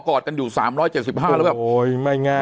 กอดกลตกันอยู่สามร้อยเจ็ดสิบห้าหรือบ่โหยไม่ง่าย